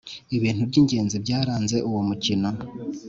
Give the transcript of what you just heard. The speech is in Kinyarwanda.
Ibintu by’ingenzi byaranze uwo mukino